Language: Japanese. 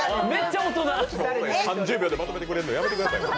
３０秒でまとめるのやめてください。